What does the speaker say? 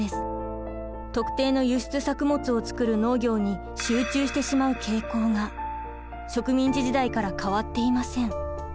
特定の輸出作物をつくる農業に集中してしまう傾向が植民地時代から変わっていません。